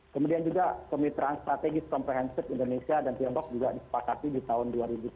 kemudian juga kemitraan strategis komprehensif indonesia dan tiongkok juga disepakati di tahun dua ribu tujuh belas